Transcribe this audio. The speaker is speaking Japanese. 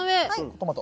トマト。